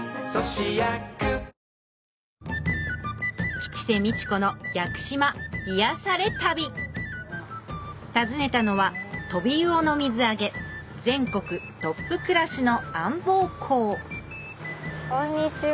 吉瀬美智子の屋久島癒され旅訪ねたのはトビウオの水揚げ全国トップクラスの安房港こんにちは。